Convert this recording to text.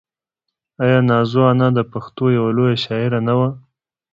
آیا نازو انا د پښتنو یوه لویه شاعره نه وه؟